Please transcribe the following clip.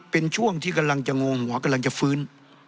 ต้องที่กำลังจะงงหัวกำลังจะฟื้น